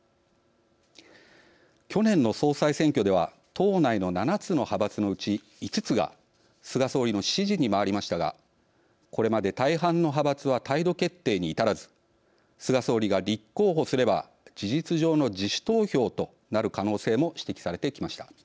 去年の総裁選挙では党内の７つの派閥のうち５つが菅総理の支持に回りましたがこれまで大半の派閥は態度決定に至らず菅総理が立候補すれば事実上の自主投票となる可能性も指摘されてきました。